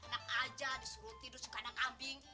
enak aja disuruh tidur suka anak kambing